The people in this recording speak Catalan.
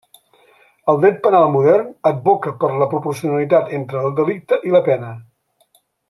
El Dret Penal modern advoca per la proporcionalitat entre el delicte i la pena.